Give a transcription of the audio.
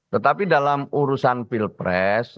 tetapi dalam urusan pilpres